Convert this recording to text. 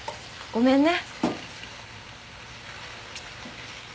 ごめんね。